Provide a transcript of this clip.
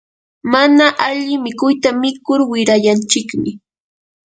mana alli mikuyta mikur wirayanchikmi.